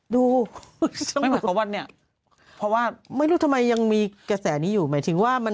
ดูเพราะว่าไม่รู้ทำไมยังมีกระแสนี้อยู่หมายถึงว่ามัน